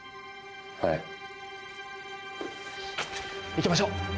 いきましょう。